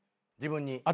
自分に。